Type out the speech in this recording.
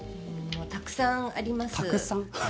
たくさんあります。